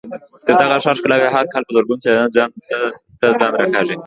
د دغه ښار ښکلاوې هر کال په زرګونو سېلانیان ځان ته راکاږي.